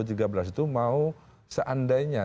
itu mau seandainya